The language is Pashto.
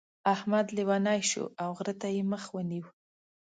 احمد لېونی شو او غره ته يې مخ ونيو.